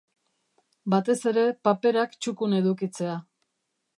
Batez ere paperak txukun edukitzea.